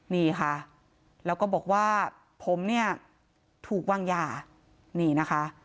นี่ค่ะแล้วก็บอกว่าผมเนี่ยถูกวางยานี่นะคะ